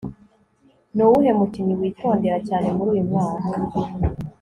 nuwuhe mukinnyi witondera cyane muri uyu mwaka